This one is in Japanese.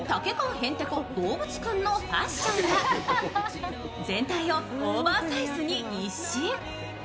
へんてこ・動物君のファッションは全体をオーバーサイズに一新。